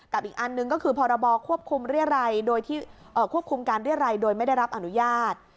กับอีกอันหนึ่งก็คือพรบควบคุมการเรียรัยโดยไม่ได้รับอนุญาต